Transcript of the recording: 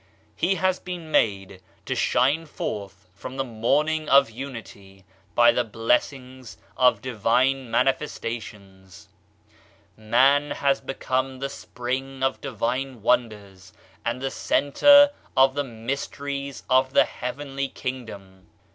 He has been made to shine forth from the morning of unity by the blessings of divine manifestations. Man has become the spring of divine wonders and the center of the mysteries of the heavenly Kingdom.